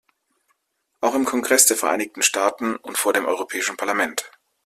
Auch im Kongress der Vereinigten Staaten und vor dem europäischen Parlament.